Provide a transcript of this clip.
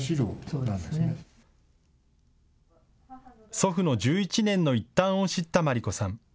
祖父の１１年の一端を知った真理子さん。